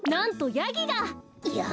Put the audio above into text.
ヤギ！？